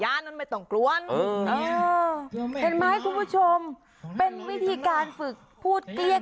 อยากกินมั๊กนี่ลุกกับเมียอยู่นี่นี่